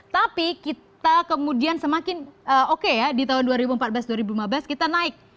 tapi kita kemudian semakin oke ya di tahun dua ribu empat belas dua ribu lima belas kita naik